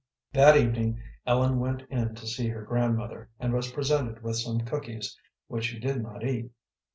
That evening Ellen went in to see her grandmother, and was presented with some cookies, which she did not eat.